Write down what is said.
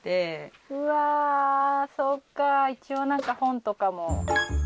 うわそっか一応本とかも。